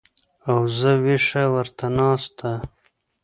او زه وېښه ورته ناسته